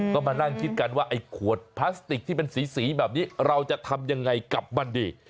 ก็มานั่งคิดกันว่าไอ้ขวดพลาสติกที่เป็นสีแบบนี้เราจะทำยังไงกับมันดี